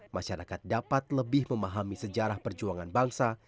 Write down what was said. masyarakat dapat lebih memahami sejarah perjuangan bangsa